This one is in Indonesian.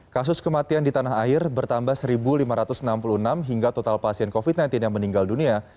kasus kematian di tanah air bertambah satu lima ratus enam puluh enam hingga total pasien covid sembilan belas yang meninggal dunia